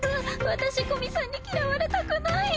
私古見さんに嫌われたくない！